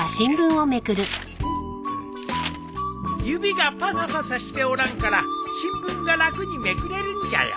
指がパサパサしておらんから新聞が楽にめくれるんじゃよ。